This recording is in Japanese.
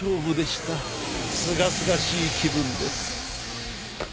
すがすがしい気分です。